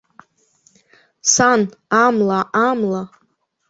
Сан, амла, амла!